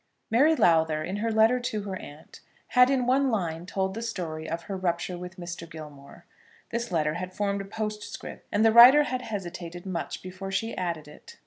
Mary Lowther, in her letter to her aunt, had in one line told the story of her rupture with Mr. Gilmore. This line had formed a postscript, and the writer had hesitated much before she added it.